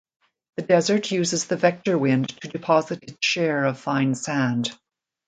The desert uses the vector wind to deposit its share of fine sand.